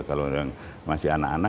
kalau masih anak anak